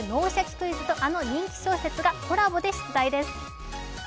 クイズ」とあの人気小説がコラボで出題です。